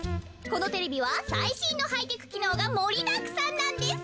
このテレビはさいしんのハイテクきのうがもりだくさんなんです。